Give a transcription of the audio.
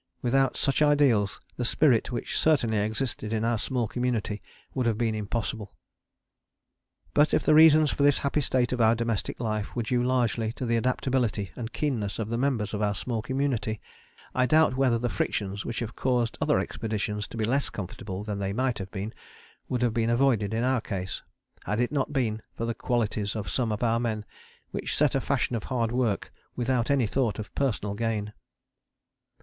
Without such ideals the spirit which certainly existed in our small community would have been impossible. But if the reasons for this happy state of our domestic life were due largely to the adaptability and keenness of the members of our small community, I doubt whether the frictions which have caused other expeditions to be less comfortable than they might have been, would have been avoided in our case, had it not been for the qualities in some of our men which set a fashion of hard work without any thought of personal gain.